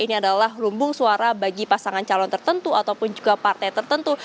ini adalah lumbung suara bagi pasangan calon tertentu ataupun juga partai tertentu